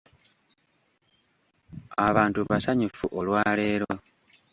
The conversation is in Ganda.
Abantu basanyufu olwa leero.